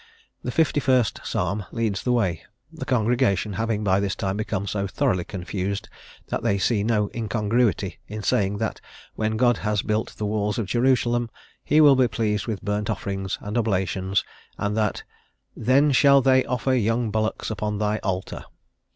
The 51st Psalm leads the way, the congregation having by this time become so thoroughly confused that they see no incongruity in saying that when God has built the walls of Jerusalem, he will be pleased with burnt offerings and oblations, and that "then shall they offer young bullocks upon thy altar."